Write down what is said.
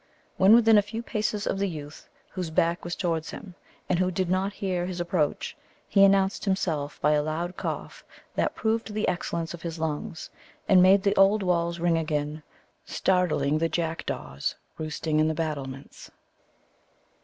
When within a few paces of the youth, whose back was towards him, and who did not hear his approach, he announced himself by a loud cough, that proved the excellence of his lungs, and made the old walls ring again, startling the jackdaws roosting in the battlements.